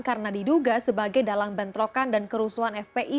karena diduga sebagai dalam bentrokan dan kerusuhan fpi